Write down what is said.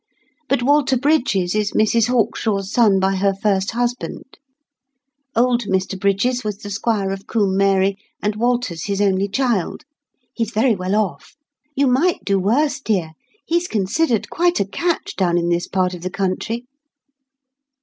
But Walter Brydges is Mrs Hawkshaw's son by her first husband. Old Mr Brydges was the squire of Combe Mary, and Walter's his only child. He's very well off. You might do worse, dear. He's considered quite a catch down in this part of the country."